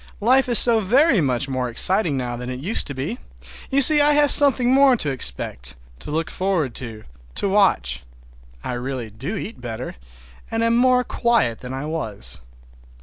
Life is very much more exciting now than it used to be. You see I have something more to expect, to look forward to, to watch. I really do eat better, and am more quiet than I was.